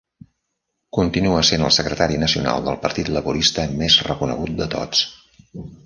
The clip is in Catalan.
Continua sent el Secretari Nacional del Partit Laborista més reconegut de tots.